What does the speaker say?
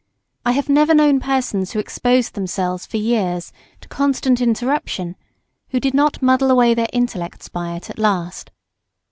I have never known persons who exposed themselves for years to constant interruption who did not muddle away their intellects by it at last.